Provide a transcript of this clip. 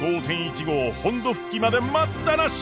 ５．１５本土復帰まで待ったなし！